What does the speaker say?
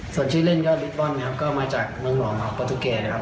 ก็ช่วยบรรยาจาให้ด้วยครับ